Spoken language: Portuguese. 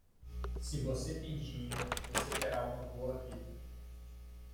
Se você tem dinheiro, você terá uma boa vida.